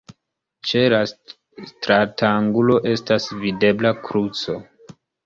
Ĉe la stratangulo estas videbla kruco.